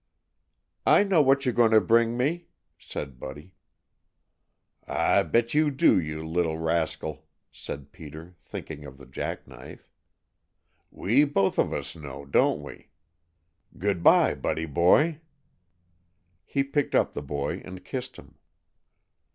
"I know what you 're going to bring me," said Buddy. "I bet you do, you little rascal," said Peter, thinking of the jack knife. "We both of us know, don't we? Good by, Buddy boy." He picked up the boy and kissed him.